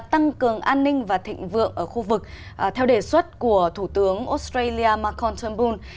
tăng cường an ninh và thịnh vượng ở khu vực theo đề xuất của thủ tướng australia macon turnbull